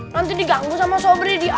nanti diganggu sama sobri di alam